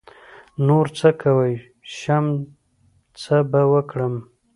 نـور څه کوی شم څه به وکړم.